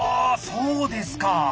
そうですか。